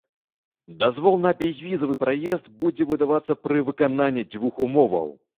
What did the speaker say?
Дазвол на бязвізавы праезд будзе выдавацца пры выкананні дзвюх умоваў.